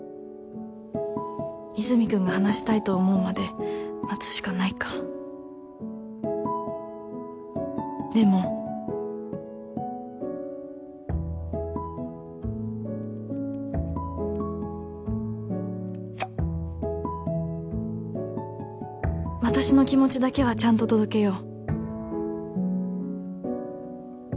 和泉君が話したいと思うまで待つしかないかでも私の気持ちだけはちゃんと届けよう